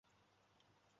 Wanda ছিনিয়ে নেয়ার আগে।